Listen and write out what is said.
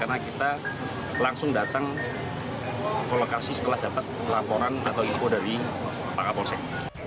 karena kita langsung datang ke lokasi setelah dapat laporan atau info dari pak kapolsek